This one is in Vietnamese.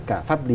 cả pháp lý